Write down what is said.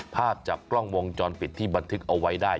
ภาพจากกล้องวงจรปิดที่บันทึกเอาไว้ได้